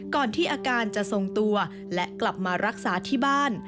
ที่อาการจะทรงตัวและกลับมารักษาที่บ้าน